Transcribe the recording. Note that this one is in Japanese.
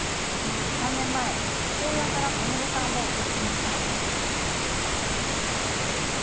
３年前、父親からこの旅館を受け継ぎました。